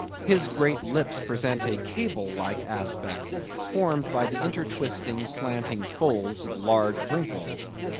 His great lips present a cable like aspect, formed by the intertwisting, slanting folds of large wrinkles.